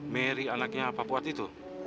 merry anaknya papua titu